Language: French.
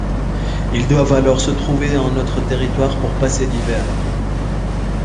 Ils doivent alors se trouver un autre territoire pour passer l'hiver.